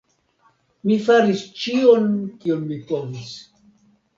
Mi faris ĉion, kion mi povis.